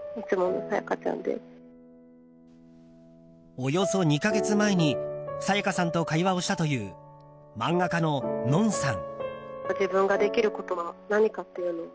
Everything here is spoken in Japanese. およそ２か月前に沙也加さんと会話をしたという漫画家のＮＯＮさん。